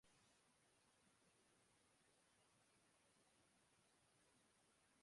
তিনি bachelor of laws degree অর্জন করেছেন।